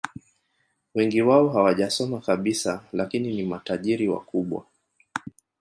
Wengi wao hawajasoma kabisa lakini ni matajiri wakubwa